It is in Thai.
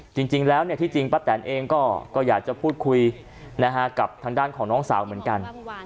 จริงแล้วที่จริงป้าแตนเองก็อยากจะพูดคุยกับทางด้านของน้องสาวเหมือนกัน